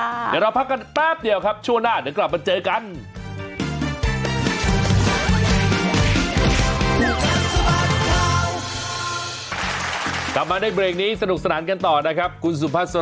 เดี๋ยวเราพักกันแป๊บเดียวครับช่วงหน้าเดี๋ยวกลับมาเจอกัน